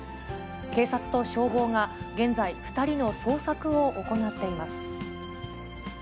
警察と消防が、現在、２人の捜索を行っています。